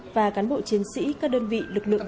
và cán bộ chiến sĩ các đơn vị lực lượng